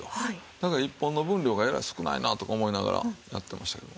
だから１本の分量がえらい少ないなとか思いながらやってましたけども。